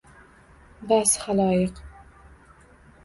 Bas, haloyiq!